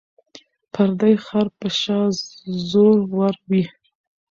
ـ پردى خر په شا زور ور وي.